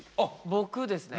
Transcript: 僕ですね。